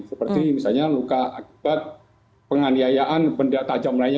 seperti misalnya luka akibat penganiayaan benda tajam lainnya